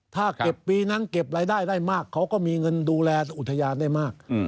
ถ้าเก็บปีนั้นเก็บรายได้ได้มากเขาก็มีเงินดูแลอุทยานได้มาก